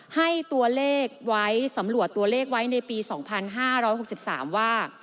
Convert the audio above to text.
ให้ตัวเลขไว้สำรวจตัวเลขไว้ในปี๒๕๖๓ว่า